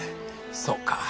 そうか。